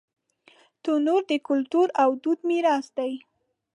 تنور د کلتور او دود میراث دی